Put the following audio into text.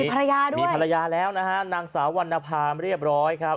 มีภรรยาด้วยมีภรรยาแล้วนะฮะนางสาววรรณภาพเรียบร้อยครับ